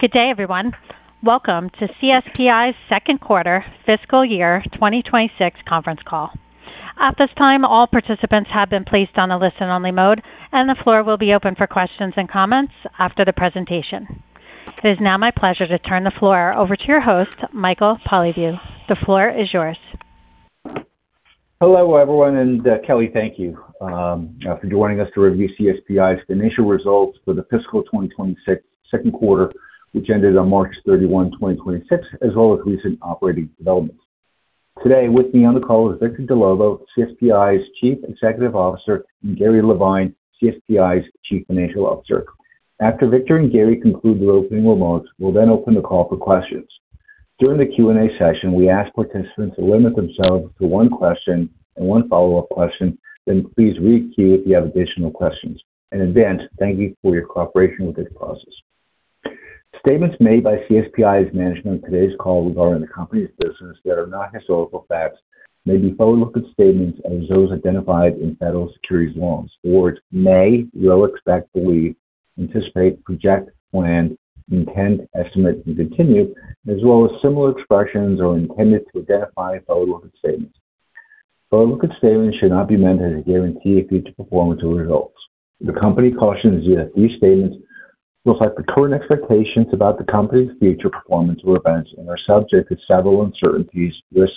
Good day, everyone. Welcome to CSPi's second quarter fiscal year 2026 conference call. At this time, all participants have been placed on a listen-only mode, and the floor will be open for questions and comments after the presentation. It is now my pleasure to turn the floor over to your host, Michael Polyviou. The floor is yours. Hello, everyone, and Kelly, thank you for joining us to review CSPi's financial results for the fiscal 2026 second quarter, which ended on March 31, 2026, as well as recent operating developments. Today with me on the call is Victor Dellovo, CSPi's Chief Executive Officer, and Gary Levine, CSPi's Chief Financial Officer. After Victor and Gary conclude their opening remarks, we'll then open the call for questions. During the Q&A session, we ask participants to limit themselves to one question and one follow-up question, then please re-queue if you have additional questions. In advance, thank you for your cooperation with this process. Statements made by CSPi's management in today's call regarding the company's business that are not historical facts may be forward-looking statements as those identified in federal securities laws. The words may, will, expect, believe, anticipate, project, plan, intend, estimate, and continue as well as similar expressions are intended to identify forward-looking statements. Forward-looking statements should not be meant as a guarantee of future performance or results. The company cautions you that these statements reflect the current expectations about the company's future performance or events and are subject to several uncertainties, risks,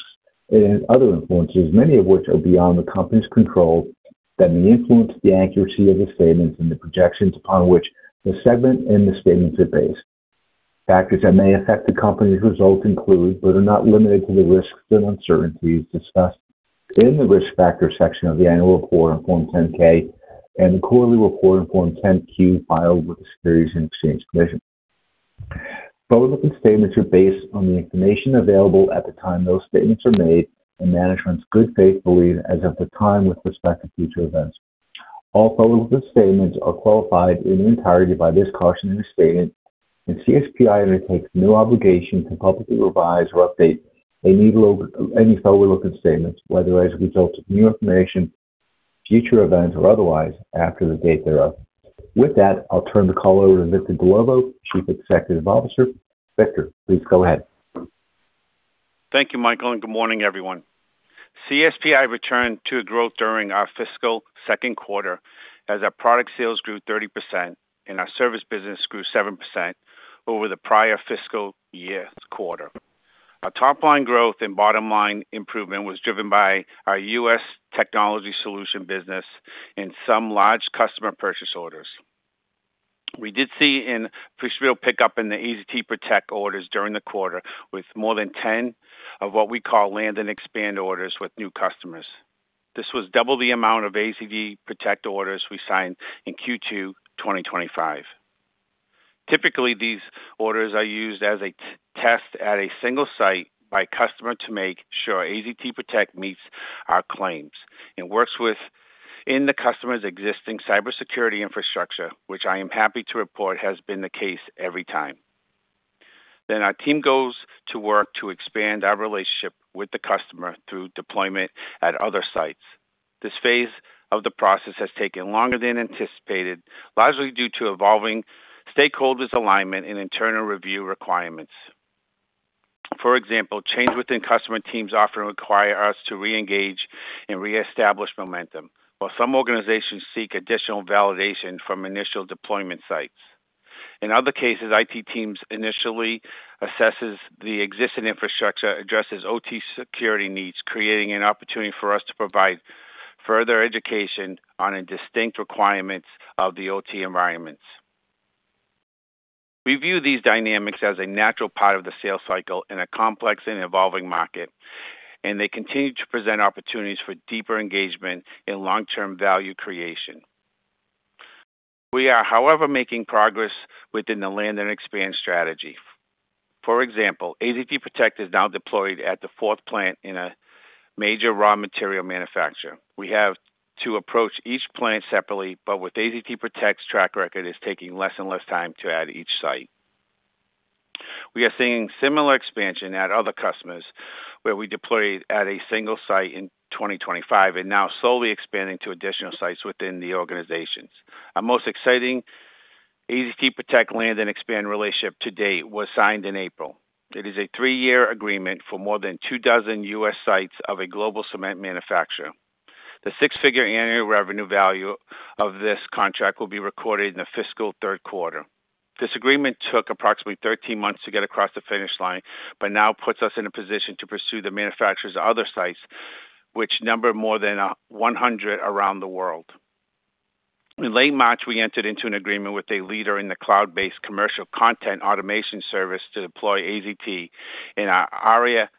and other influences, many of which are beyond the company's control that may influence the accuracy of the statements and the projections upon which the segment and the statements are based. Factors that may affect the company's results include, but are not limited to, the risks and uncertainties discussed in the Risk Factors section of the annual report in Form 10-K and the quarterly report in Form 10-Q filed with the Securities and Exchange Commission. Forward-looking statements are based on the information available at the time those statements are made and management's good faith belief as of the time with respect to future events. All forward-looking statements are qualified in their entirety by this cautionary statement, and CSPi undertakes no obligation to publicly revise or update any forward-looking statements, whether as a result of new information, future events, or otherwise after the date thereof. With that, I'll turn the call over to Victor Dellovo, Chief Executive Officer. Victor, please go ahead. Thank you, Michael, good morning, everyone. CSPi returned to growth during our fiscal second quarter as our product sales grew 30% and our service business grew 7% over the prior fiscal year's quarter. Our top-line growth and bottom-line improvement was driven by our U.S. technology solution business and some large customer purchase orders. We did see an appreciable pickup in the AZT PROTECT orders during the quarter, with more than 10 of what we call land and expand orders with new customers. This was double the amount of AZT PROTECT orders we signed in Q2 2025. Typically, these orders are used as a test at a single site by customer to make sure AZT PROTECT meets our claims and works within the customer's existing cybersecurity infrastructure, which I am happy to report has been the case every time. Our team goes to work to expand our relationship with the customer through deployment at other sites. This phase of the process has taken longer than anticipated, largely due to evolving stakeholders' alignment and internal review requirements. For example, changes within customer teams often require us to reengage and reestablish momentum, while some organizations seek additional validation from initial deployment sites. In other cases, IT teams initially assess the existing infrastructure, address OT security needs, creating an opportunity for us to provide further education on the distinct requirements of the OT environments. We view these dynamics as a natural part of the sales cycle in a complex and evolving market, and they continue to present opportunities for deeper engagement and long-term value creation. We are, however, making progress within the land and expand strategy. For example, AZT PROTECT is now deployed at the fourth plant in a major raw material manufacturer. We have to approach each plant separately, but with AZT PROTECT's track record, it's taking less and less time to add each site. We are seeing similar expansion at other customers, where we deployed at a single site in 2025 and now slowly expanding to additional sites within the organizations. Our most exciting AZT PROTECT land and expand relationship to date was signed in April. It is a three-year agreement for more than two dozen U.S. sites of a global cement manufacturer. The six-figure annual revenue value of this contract will be recorded in the fiscal third quarter. This agreement took approximately 13 months to get across the finish line. Now puts us in a position to pursue the manufacturer's other sites, which number more than 100 around the world. In late March, we entered into an agreement with a leader in the cloud-based commercial content automation service to deploy AZT in our ARIA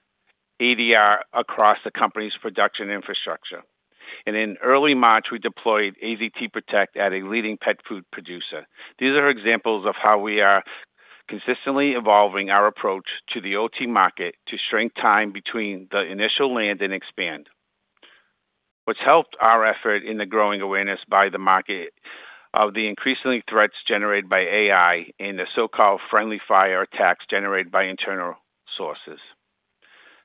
ADR across the company's production infrastructure. In early March, we deployed AZT PROTECT at a leading pet food producer. These are examples of how we are consistently evolving our approach to the OT market to shrink time between the initial land and expand. What's helped our effort in the growing awareness by the market of the increasing threats generated by AI and the so-called friendly fire attacks generated by internal sources.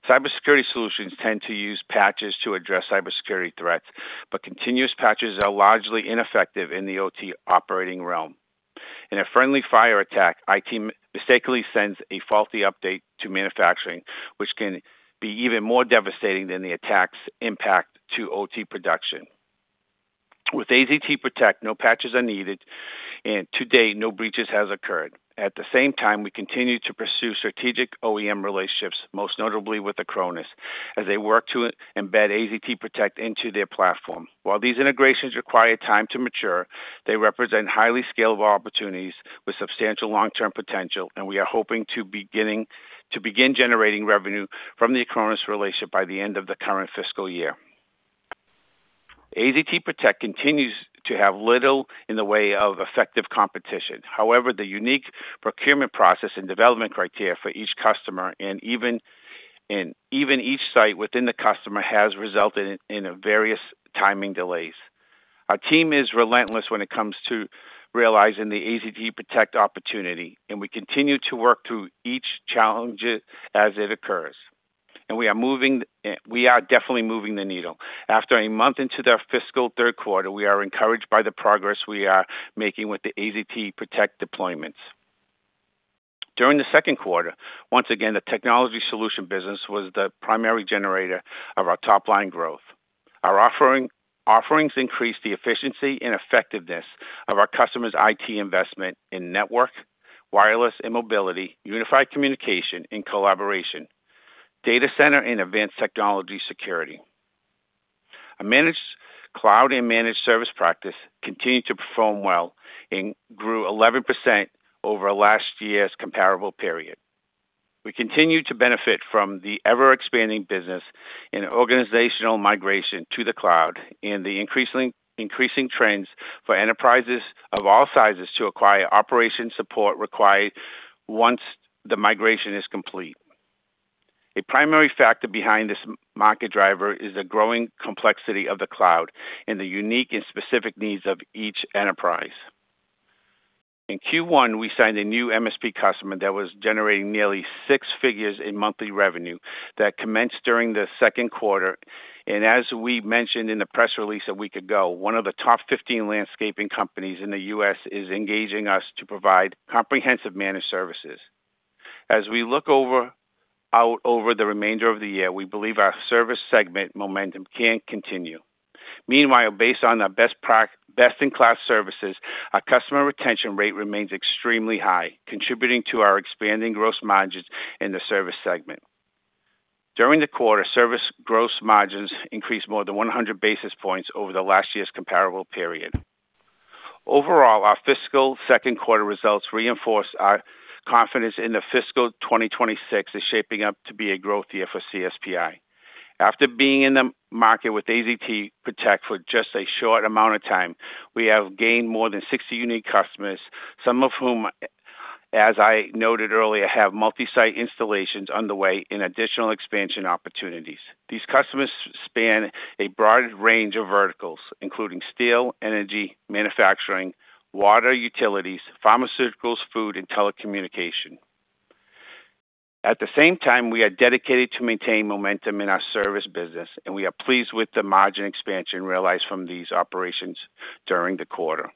Cybersecurity solutions tend to use patches to address cybersecurity threats, but continuous patches are largely ineffective in the OT operating realm. In a friendly fire attack, IT mistakenly sends a faulty update to manufacturing, which can be even more devastating than the attack's impact to OT production. With AZT Protect, no patches are needed, and to date, no breaches have occurred. At the same time, we continue to pursue strategic OEM relationships, most notably with Acronis, as they work to embed AZT Protect into their platform. While these integrations require time to mature, they represent highly scalable opportunities with substantial long-term potential. We are hoping to begin generating revenue from the Acronis relationship by the end of the current fiscal year. AZT Protect continues to have little in the way of effective competition. However, the unique procurement process and development criteria for each customer and even each site within the customer has resulted in a various timing delays. Our team is relentless when it comes to realizing the AZT Protect opportunity. We continue to work through each challenge as it occurs. We are definitely moving the needle. After a month into their fiscal third quarter, we are encouraged by the progress we are making with the AZT Protect deployments. During the second quarter, once again, the technology solution business was the primary generator of our top-line growth. Our offerings increased the efficiency and effectiveness of our customers' IT investment in network, wireless and mobility, unified communication and collaboration, data center, and advanced technology security. Our managed cloud and managed service practice continued to perform well and grew 11% over last year's comparable period. We continue to benefit from the ever-expanding business in organizational migration to the cloud and the increasing trends for enterprises of all sizes to acquire operation support required once the migration is complete. A primary factor behind this market driver is the growing complexity of the cloud and the unique and specific needs of each enterprise. In Q1, we signed a new MSP customer that was generating nearly six figures in monthly revenue that commenced during the second quarter. As we mentioned in the press release a week ago, one of the top 15 landscaping companies in the U.S. is engaging us to provide comprehensive managed services. As we look out over the remainder of the year, we believe our service segment momentum can continue. Meanwhile, based on our best-in-class services, our customer retention rate remains extremely high, contributing to our expanding gross margins in the service segment. During the quarter, service gross margins increased more than 100 basis points over the last year's comparable period. Overall, our fiscal second quarter results reinforce our confidence in the fiscal 2026 is shaping up to be a growth year for CSPi. After being in the market with AZT PROTECT for just a short amount of time, we have gained more than 60 unique customers, some of whom, as I noted earlier, have multi-site installations underway and additional expansion opportunities. These customers span a broad range of verticals, including steel, energy, manufacturing, water utilities, pharmaceuticals, food, and telecommunication. At the same time, we are dedicated to maintain momentum in our service business, and we are pleased with the margin expansion realized from these operations during the quarter,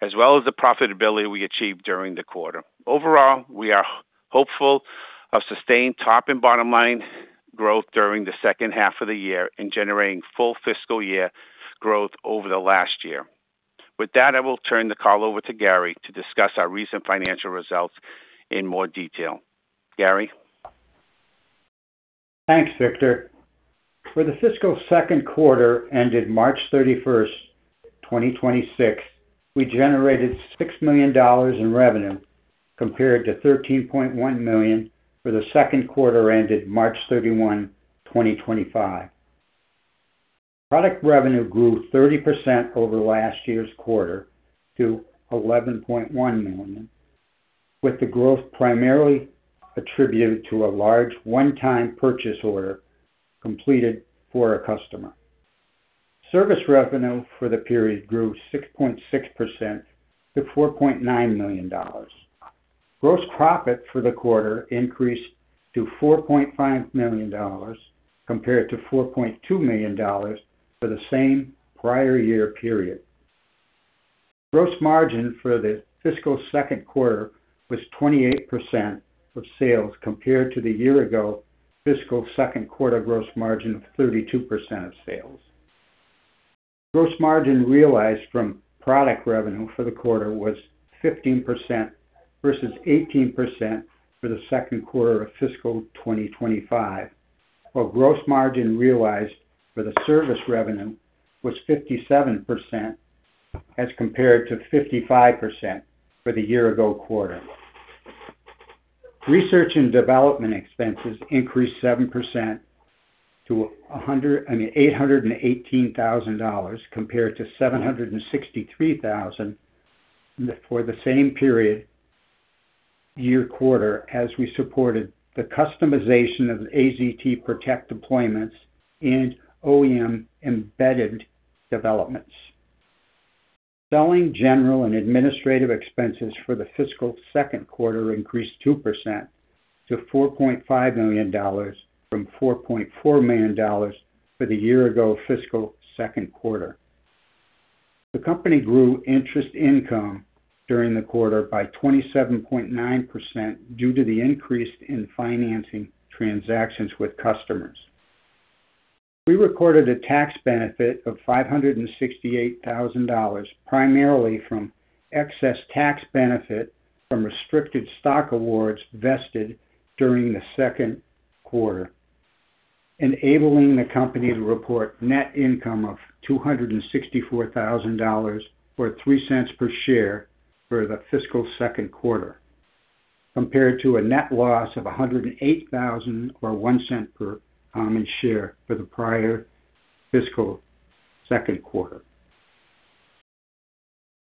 as well as the profitability we achieved during the quarter. Overall, we are hopeful of sustained top and bottom line growth during the second half of the year and generating full fiscal year growth over the last year. With that, I will turn the call over to Gary to discuss our recent financial results in more detail. Gary? Thanks, Victor. For the fiscal second quarter ended March 31st, 2026, we generated $6 million in revenue compared to $13.1 million for the second quarter ended March 31, 2025. Product revenue grew 30% over last year's quarter to $11.1 million, with the growth primarily attributed to a large one-time purchase order completed for a customer. Service revenue for the period grew 6.6% to $4.9 million. Gross profit for the quarter increased to $4.5 million compared to $4.2 million for the same prior year period. Gross margin for the fiscal second quarter was 28% of sales compared to the year ago fiscal second quarter gross margin of 32% of sales. Gross margin realized from product revenue for the quarter was 15% versus 18% for the second quarter of fiscal 2025, while gross margin realized for the service revenue was 57% as compared to 55% for the year ago quarter. Research and development expenses increased 7% to I mean, $818,000 compared to $763,000 for the same period year quarter as we supported the customization of AZT PROTECT deployments and OEM embedded developments. Selling general and administrative expenses for the fiscal second quarter increased 2% to $4.5 million from $4.4 million for the year ago fiscal second quarter. The company grew interest income during the quarter by 27.9% due to the increase in financing transactions with customers. We recorded a tax benefit of $568,000, primarily from excess tax benefit from restricted stock awards vested during the second quarter, enabling the company to report net income of $264,000, or $0.03 per share for the fiscal second quarter, compared to a net loss of $108,000, or $0.01 per common share for the prior fiscal second quarter.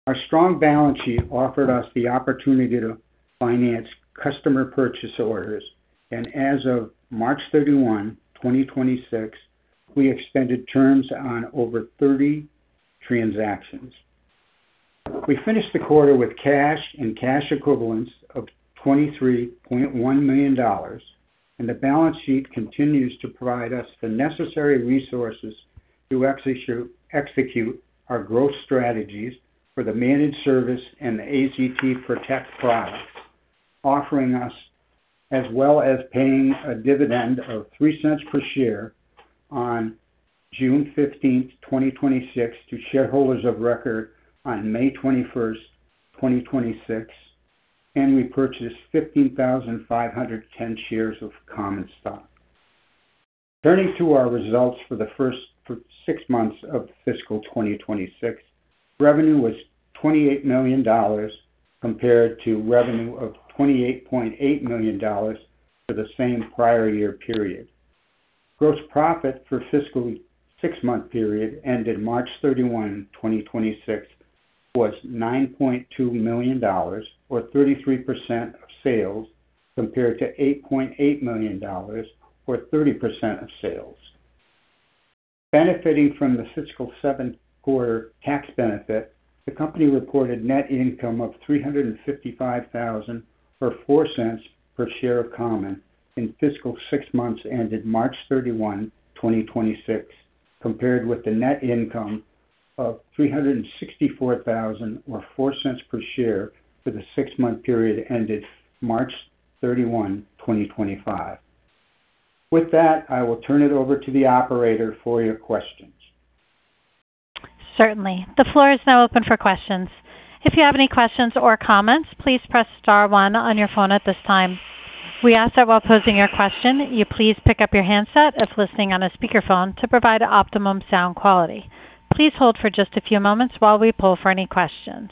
Our strong balance sheet offered us the opportunity to finance customer purchase orders, and as of March 31, 2026, we extended terms on over 30 transactions. We finished the quarter with cash and cash equivalents of $23.1 million, and the balance sheet continues to provide us the necessary resources to execute our growth strategies for the managed service and the AZT PROTECT product, offering us as well as paying a dividend of $0.03 per share on June 15, 2026 to shareholders of record on May 21, 2026, and we purchased 15,510 shares of common stock. Turning to our results for the first six months of fiscal 2026, revenue was $28 million compared to revenue of $28.8 million for the same prior year period. Gross profit for fiscal six-month period ended March 31, 2026 was $9.2 million, or 33% of sales, compared to $8.8 million, or 30% of sales. Benefiting from the fiscal seventh quarter tax benefit, the company reported net income of $355,000, or $0.04 per share of common in fiscal 6 months ended March 31, 2026, compared with the net income of $364,000 or $0.04 per share for the six-month period ended March 31, 2025. With that, I will turn it over to the operator for your questions. Certainly. The floor is now open for questions. If you have any questions or comments, please press star one on your phone at this time. We ask that while posing your question, you please pick up your handset if listening on a speakerphone to provide optimum sound quality. Please hold for just a few moments while we pull for any questions.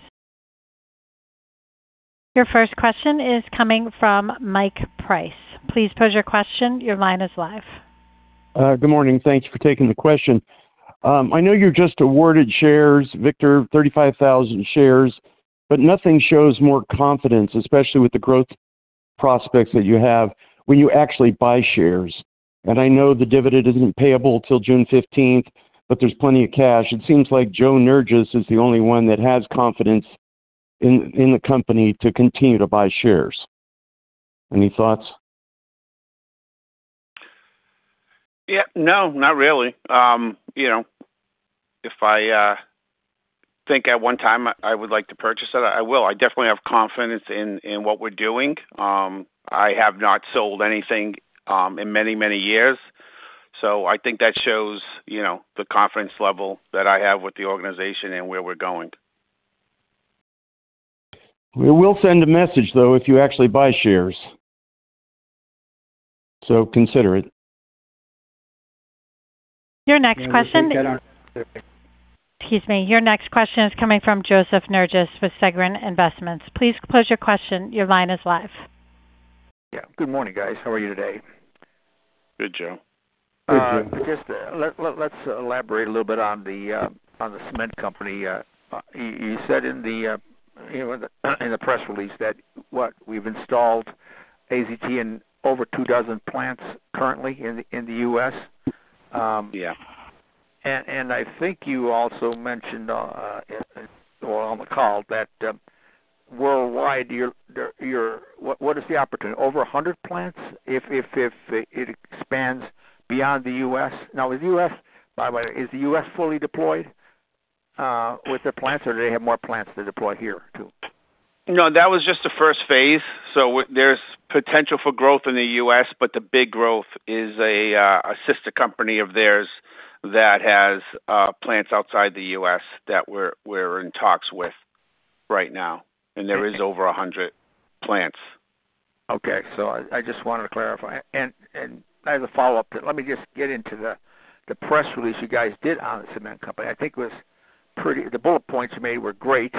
Your first question is coming from Mike Price. Please pose your question. Your line is live. Good morning. Thanks for taking the question. I know you just awarded shares, Victor, 35,000 shares. Nothing shows more confidence, especially with the growth prospects that you have when you actually buy shares. I know the dividend isn't payable till June 15th, but there's plenty of cash. It seems like Joseph Nerges is the only one that has confidence in the company to continue to buy shares. Any thoughts? Yeah. No, not really. You know, if I think at one time I would like to purchase that, I will. I definitely have confidence in what we're doing. I have not sold anything in many, many years, so I think that shows, you know, the confidence level that I have with the organization and where we're going. It will send a message, though, if you actually buy shares. Consider it. Excuse me. Your next question is coming from Joseph Nerges with Segren Investments. Please pose your question. Your line is live. Yeah. Good morning, guys. How are you today? Good, Joe. Good, Joe. I guess let's elaborate a little bit on the cement company. You said in the press release that what we've installed AZT in over two dozen plants currently in the U.S. Yeah. I think you also mentioned, well, on the call that, worldwide, what is the opportunity? Over 100 plants if it expands beyond the U.S.? By the way, is the U.S. fully deployed with the plants or do they have more plants to deploy here too? That was just the first phase. There's potential for growth in the U.S., but the big growth is a sister company of theirs that has plants outside the U.S. that we're in talks with right now. There is over 100 plants. Okay. I just wanted to clarify. As a follow-up, let me just get into the press release you guys did on the cement company. I think the bullet points you made were great.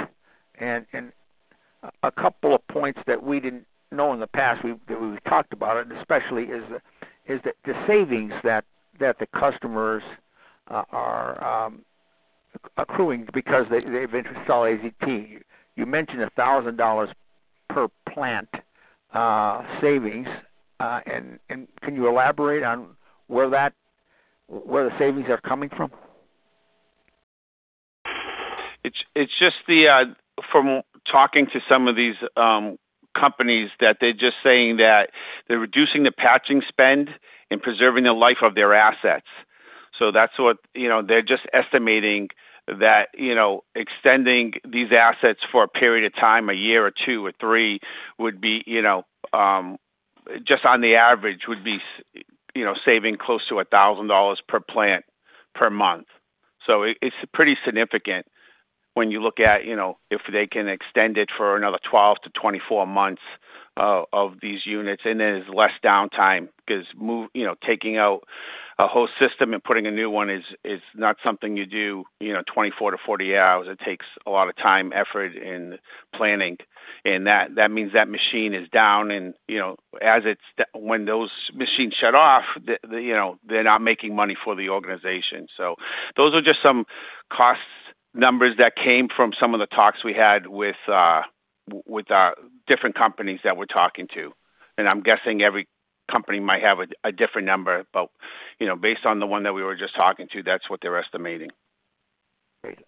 A couple of points that we didn't know in the past, we talked about it especially, is the savings that the customers are accruing because they've installed AZT. You mentioned a $1,000 per plant savings. Can you elaborate on where the savings are coming from? From talking to some of these companies, they're just saying that they're reducing the patching spend and preserving the life of their assets. That's what, you know, they're just estimating that, you know, extending these assets for a period of time, one year or two or three, would be, you know, just on the average saving close to $1,000 per plant per month. It's pretty significant when you look at, you know, if they can extend it for another 12-24 months of these units, and there's less downtime because, you know, taking out a whole system and putting a new one is not something you do, you know, 24-40 hours. It takes a lot of time, effort, and planning. That means that machine is down and, you know, when those machines shut off, you know, they're not making money for the organization. Those are just some cost numbers that came from some of the talks we had with different companies that we're talking to. I'm guessing every company might have a different number, but, you know, based on the one that we were just talking to, that's what they're estimating. Great.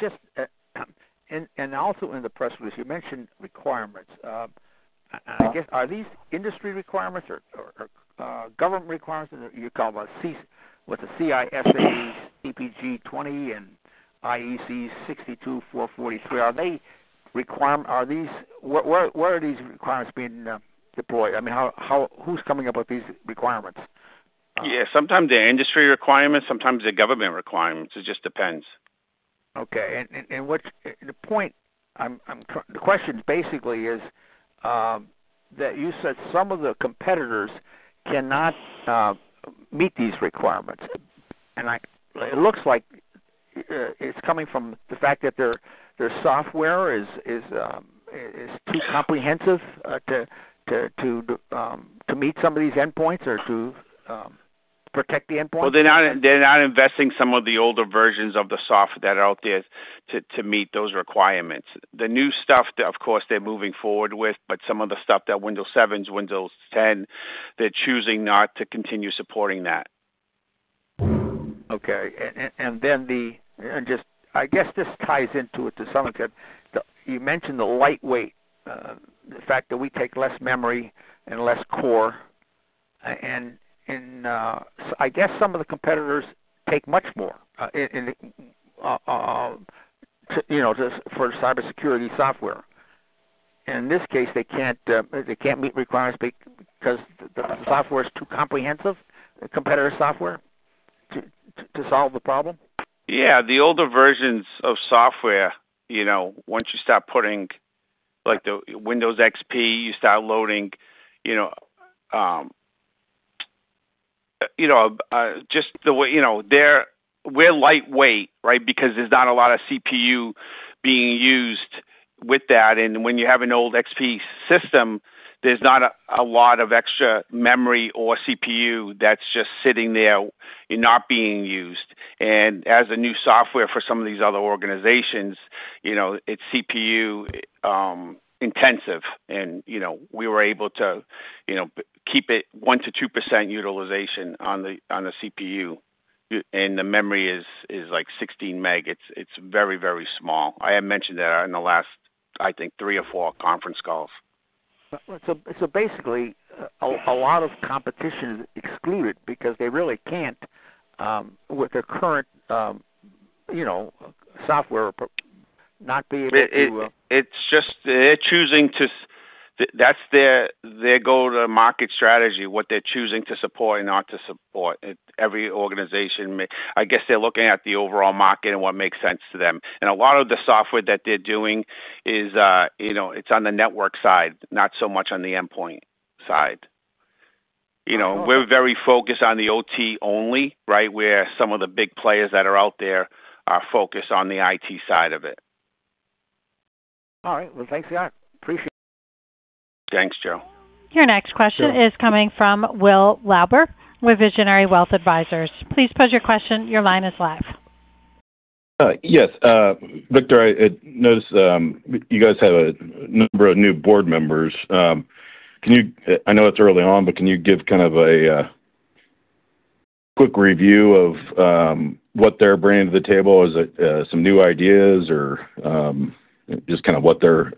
Just, also in the press release, you mentioned requirements. I guess are these industry requirements or government requirements that you call with the CISA's CPG 2.0 and IEC 62443? Are these Where are these requirements being deployed? I mean, how Who's coming up with these requirements? Yeah, sometimes they're industry requirements, sometimes they're government requirements. It just depends. Okay. The question basically is, that you said some of the competitors cannot meet these requirements. It looks like it's coming from the fact that their software is too comprehensive to meet some of these endpoints or to protect the endpoints. Well, they're not investing some of the older versions of the software that are out there to meet those requirements. The new stuff that, of course, they're moving forward with, but some of the stuff that Windows 7, Windows 10, they're choosing not to continue supporting that. Okay. Just, I guess this ties into it to some extent. You mentioned the lightweight, the fact that we take less memory and less core. I guess some of the competitors take much more, in, you know, just for cybersecurity software. In this case, they can't, they can't meet requirements because the software is too comprehensive, the competitor software, to solve the problem? Yeah. The older versions of software, you know, once you start putting like the Windows XP, you start loading, you know, just the way you know, we're lightweight, right? Because there's not a lot of CPU being used with that. When you have an old XP system, there's not a lot of extra memory or CPU that's just sitting there and not being used. As a new software for some of these other organizations, you know, it's CPU intensive. You know, we were able to, you know, keep it 1% to 2% utilization on the CPU. The memory is like 16 meg. It's very small. I had mentioned that in the last, I think, three or four conference calls. basically. Yes a lot of competition is excluded because they really can't, with their current, you know, software. It's just they're choosing to That's their go-to-market strategy, what they're choosing to support and not to support. Every organization I guess they're looking at the overall market and what makes sense to them. A lot of the software that they're doing is, you know, it's on the network side, not so much on the endpoint side. You know, we're very focused on the OT only, right? Where some of the big players that are out there are focused on the IT side of it. All right. Well, thanks, Gary. Appreciate it. Thanks, Joe. Your next question is coming from Will Lauber with Visionary Wealth Advisors. Please pose your question. Your line is live. Yes. Victor, I notice you guys have a number of new board members. I know it's early on, but can you give kind of a quick review of what they're bringing to the table? Is it some new ideas or just kind of what they're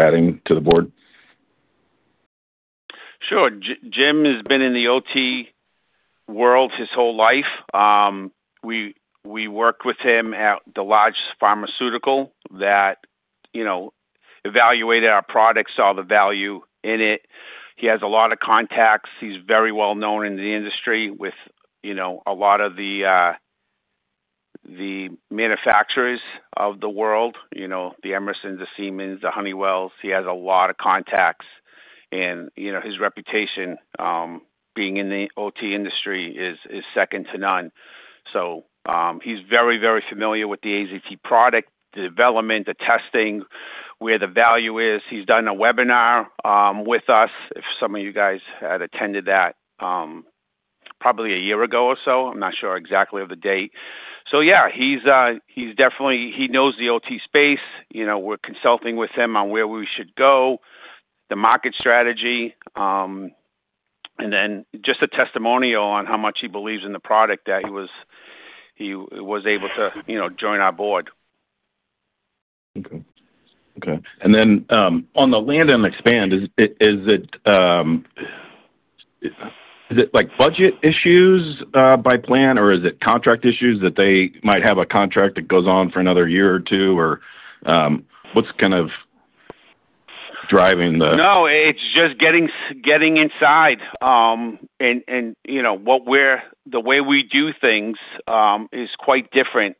adding to the board? Sure. Jim has been in the OT world his whole life. We worked with him at the largest pharmaceutical that, you know, evaluated our product, saw the value in it. He has a lot of contacts. He's very well known in the industry with, you know, a lot of the manufacturers of the world, you know, the Emerson, the Siemens, the Honeywell. He has a lot of contacts. You know, his reputation, being in the OT industry is second to none. He's very, very familiar with the AZT product development, the testing, where the value is. He's done a webinar with us. If some of you guys had attended that, probably a year ago or so, I'm not sure exactly of the date. Yeah, He knows the OT space. You know, we're consulting with him on where we should go, the market strategy, and then just a testimonial on how much he believes in the product that he was able to, you know, join our board. Okay. Okay. On the land and expand, is it like budget issues by plan or is it contract issues that they might have a contract that goes on for another year or two? Or what's kind of driving the? No, it's just getting inside. You know, the way we do things is quite different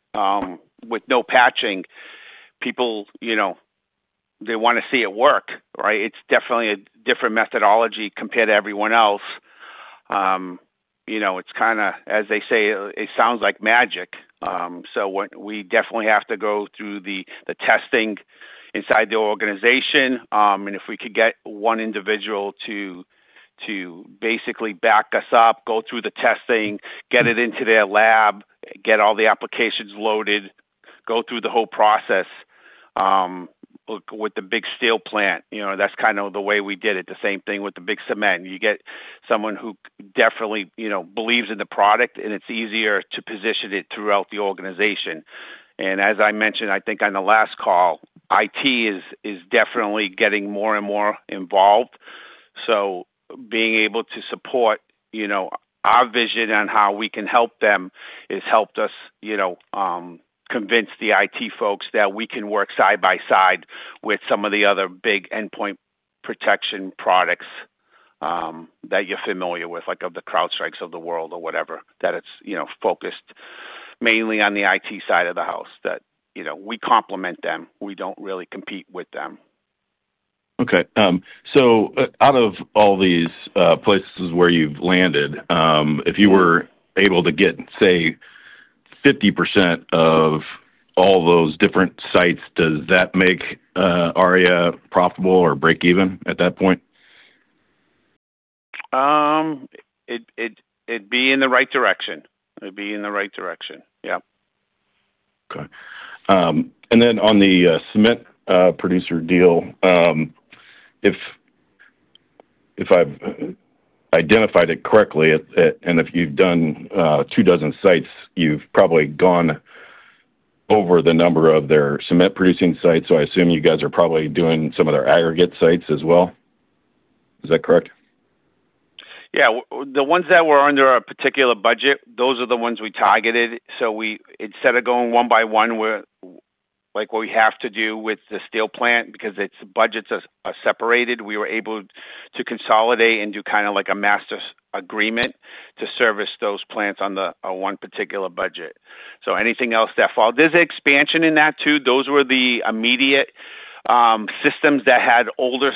with no patching. People, you know, they wanna see it work, right? It's definitely a different methodology compared to everyone else. You know, it's kinda, as they say, it sounds like magic. What We definitely have to go through the testing inside the organization. If we could get one individual to basically back us up, go through the testing, get it into their lab, get all the applications loaded, go through the whole process with the big steel plant. You know, that's kind of the way we did it. The same thing with the big cement. You get someone who definitely, you know, believes in the product, it's easier to position it throughout the organization. As I mentioned, I think on the last call, IT is definitely getting more and more involved. Being able to support, you know, our vision on how we can help them has helped us, you know, convince the IT folks that we can work side by side with some of the other big endpoint protection products that you're familiar with, like of the CrowdStrike of the world or whatever. That it's, you know, focused mainly on the IT side of the house that, you know, we complement them. We don't really compete with them. Okay. Out of all these places where you've landed, if you were able to get, say, 50% of all those different sites, does that make ARIA profitable or break even at that point? It'd be in the right direction. It'd be in the right direction. Yep. Okay. On the cement producer deal, if I've identified it correctly, and if you've done two dozen sites, you've probably gone over the number of their cement producing sites. I assume you guys are probably doing some of their aggregate sites as well. Is that correct? Yeah. The ones that were under a particular budget, those are the ones we targeted. We, instead of going one by one, we're like what we have to do with the steel plant because its budgets are separated, we were able to consolidate and do kind of like a master agreement to service those plants on one particular budget. Anything else that fall. There's expansion in that too. Those were the immediate systems that had older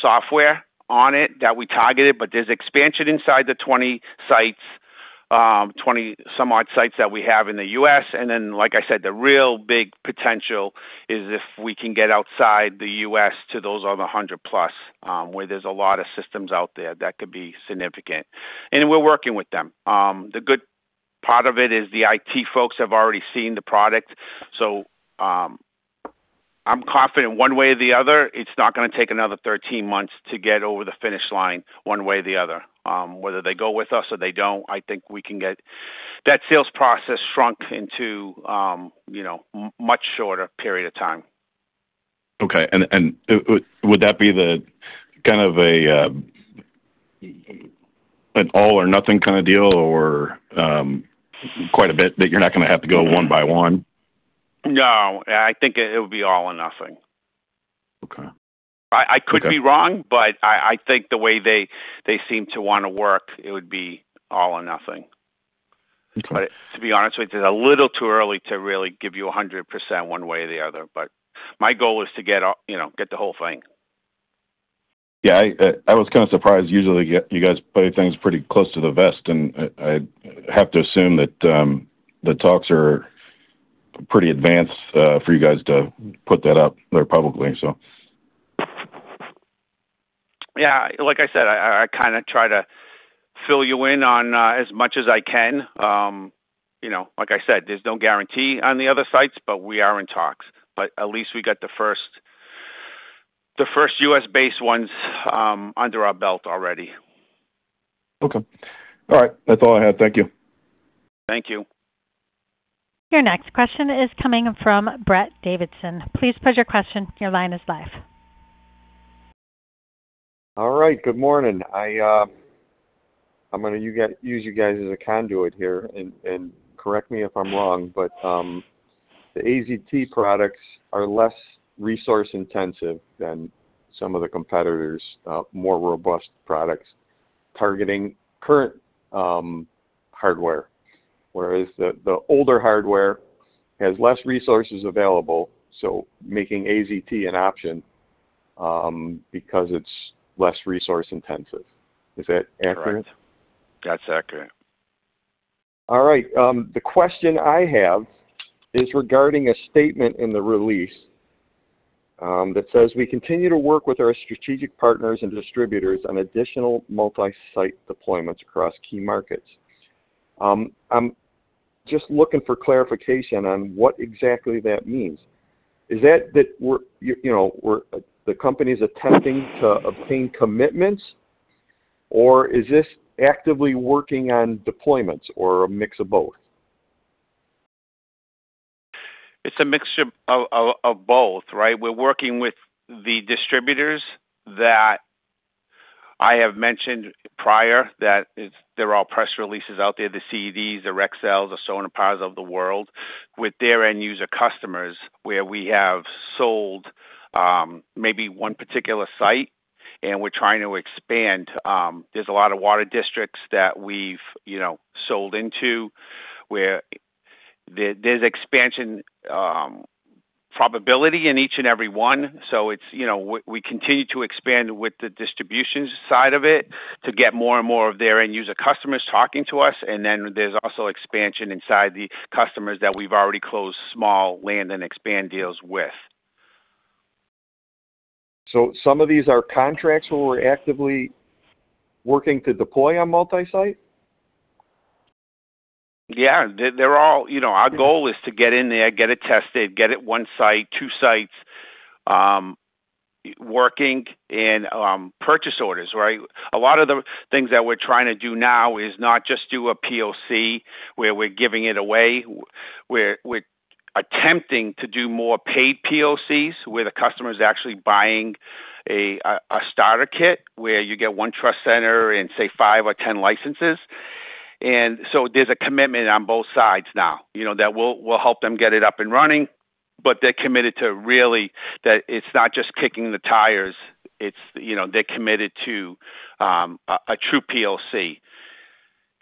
software on it that we targeted, there's expansion inside the 20 sites, 20 some odd sites that we have in the U.S. Like I said, the real big potential is if we can get outside the U.S. to those other 100 plus, where there's a lot of systems out there that could be significant. We're working with them. The good part of it is the IT folks have already seen the product. I'm confident one way or the other, it's not gonna take another 13 months to get over the finish line one way or the other. Whether they go with us or they don't, I think we can get that sales process shrunk into, you know, much shorter period of time. Okay. Would that be the kind of an all or nothing kind of deal or quite a bit that you're not gonna have to go one by one? No. I think it would be all or nothing. Okay. I could be wrong, but I think the way they seem to wanna work, it would be all or nothing. Okay. To be honest with you, it's a little too early to really give you 100% one way or the other. My goal is to get all, you know, get the whole thing. Yeah. I was kind of surprised. Usually you guys play things pretty close to the vest, I have to assume that the talks are pretty advanced for you guys to put that out there publicly. Yeah. Like I said, I kinda try to fill you in on as much as I can. You know, like I said, there's no guarantee on the other sites, but we are in talks. At least we got the first U.S.-based ones under our belt already. Okay. All right. That's all I have. Thank you. Thank you. Your next question is coming from Brett Davidson. Please pose your question. Your line is live. All right. Good morning. I'm gonna use you guys as a conduit here, and correct me if I'm wrong, but the AZT products are less resource intensive than some of the competitors', more robust products targeting current hardware. Whereas the older hardware has less resources available, so making AZT an option because it's less resource intensive. Is that accurate? Correct. That's accurate. All right. The question I have is regarding a statement in the release, that says we continue to work with our strategic partners and distributors on additional multi-site deployments across key markets. I'm just looking for clarification on what exactly that means. Is that we're, you know, the company's attempting to obtain commitments, or is this actively working on deployments or a mix of both? It's a mixture of both, right? We're working with the distributors that I have mentioned prior, that there are press releases out there, the CED, the Rexel, the Sonepars of the world, with their end user customers, where we have sold maybe one particular site, and we're trying to expand. There's a lot of water districts that we've, you know, sold into where there's expansion probability in each and every one. It's, you know, we continue to expand with the distribution side of it to get more and more of their end user customers talking to us. Then there's also expansion inside the customers that we've already closed small land and expand deals with. Some of these are contracts where we're actively working to deploy on multi-site? Yeah. They're all, you know, our goal is to get in there, get it tested, get it one site, two sites, working in purchase orders, right? A lot of the things that we're trying to do now is not just do a POC where we're giving it away. We're attempting to do more paid POCs, where the customer is actually buying a starter kit where you get one trust center and, say, five or ten licenses. There's a commitment on both sides now, you know, that we'll help them get it up and running, but they're committed to really. That it's not just kicking the tires. It's, you know, they're committed to a true POC.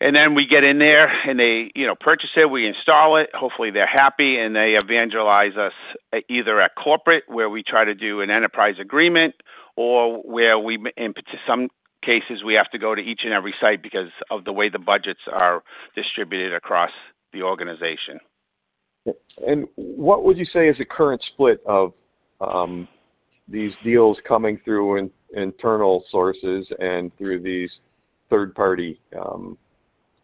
And the we get in there, and they, you know, purchase it, we install it, hopefully they're happy, and they evangelize us either at corporate, where we try to do an enterprise agreement, or where we, in some cases, we have to go to each and every site because of the way the budgets are distributed across the organization. What would you say is the current split of these deals coming through in internal sources and through these third-party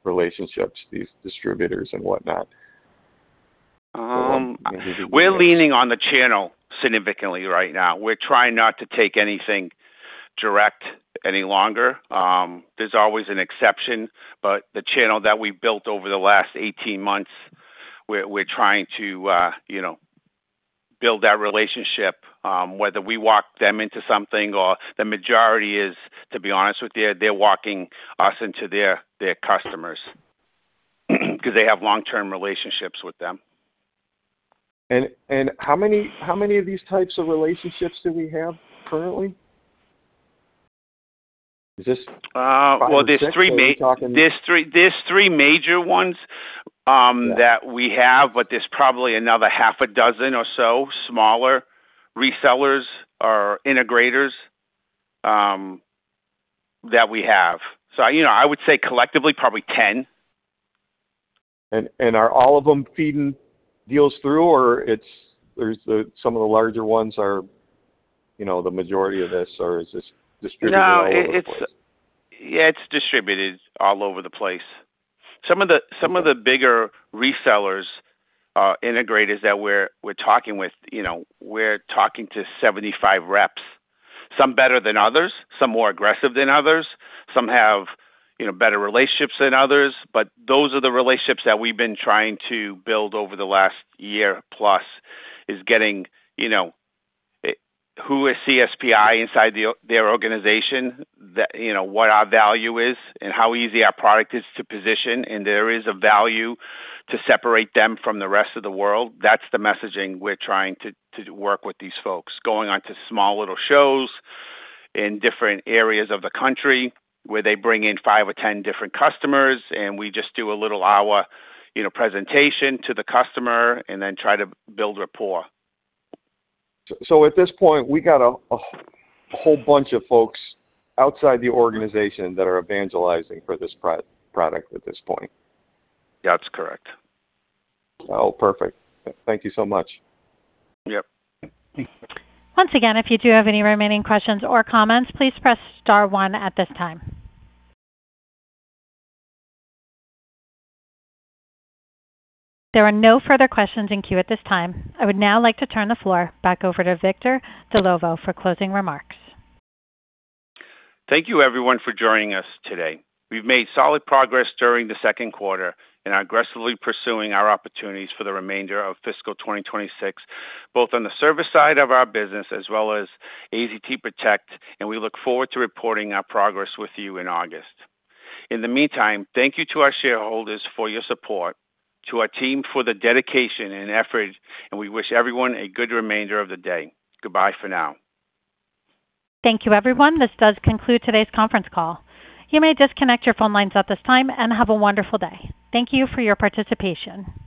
relationships, these distributors and whatnot? We're leaning on the channel significantly right now. We're trying not to take anything direct any longer. There's always an exception, but the channel that we built over the last 18 months, we're trying to, you know, build that relationship, whether we walk them into something or the majority is, to be honest with you, they're walking us into their customers because they have long-term relationships with them. How many of these types of relationships do we have currently? Is this- Well, there's three. Five, six? Are we talking- There's three major ones. Yeah that we have, but there's probably another six or so smaller resellers or integrators, that we have. You know, I would say collectively, probably 10. Are all of them feeding deals through, or some of the larger ones are, you know, the majority of this, or is this distributed all over the place? It's distributed all over the place. Some of the bigger resellers are integrators that we're talking with, you know, we're talking to 75 reps. Some better than others, some more aggressive than others, some have, you know, better relationships than others. Those are the relationships that we've been trying to build over the last year plus, is getting, you know, who is CSPi inside their organization, that, you know, what our value is and how easy our product is to position. There is a value to separate them from the rest of the world. That's the messaging we're trying to work with these folks. Going on to small little shows in different areas of the country where they bring in 5 or 10 different customers, and we just do a little hour, you know, presentation to the customer and then try to build rapport. At this point, we got a whole bunch of folks outside the organization that are evangelizing for this product at this point. That's correct. Well, perfect. Thank you so much. Yep. I would now like to turn the floor back over to Victor Dellovo for closing remarks. Thank you, everyone, for joining us today. We've made solid progress during the second quarter and are aggressively pursuing our opportunities for the remainder of fiscal 2026, both on the service side of our business as well as AZT PROTECT, and we look forward to reporting our progress with you in August. In the meantime, thank you to our shareholders for your support, to our team for the dedication and effort, and we wish everyone a good remainder of the day. Goodbye for now. Thank you, everyone. This does conclude today's conference call. You may disconnect your phone lines at this time, and have a wonderful day. Thank you for your participation.